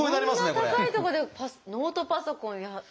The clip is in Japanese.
こんな高いとこでノートパソコンやるんですね。